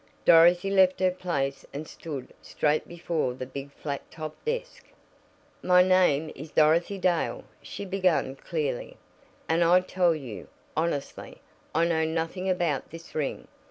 Dorothy left her place and stood straight before the big flat top desk. "My name is Dorothy Dale," she began clearly, "and I tell you, honestly, I know nothing about this ring.